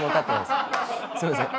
すいません。